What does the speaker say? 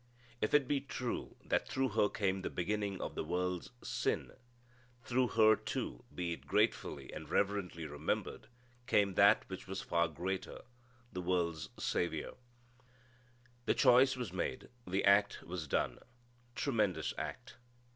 If it be true that through her came the beginning of the world's sin, through her, too, be it gratefully and reverently remembered, came that which was far greater the world's Saviour. The choice was made. The act was done. Tremendous act!